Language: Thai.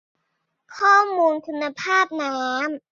ข้อมูลคุณภาพน้ำ